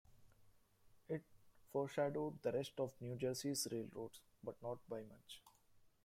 It foreshadowed the rest of New Jersey's railroads, but not by much.